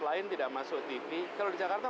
lain tidak masuk tv kalau di jakarta